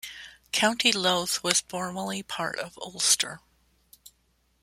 County Louth was formerly part of Ulster.